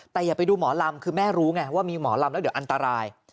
แต่อย่าไปดูหมอลำคือแม่รู้ไงว่ามีหมอลำแล้วเดี๋ยวอันตราย